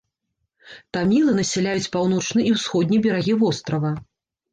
Тамілы насяляюць паўночны і ўсходні берагі вострава.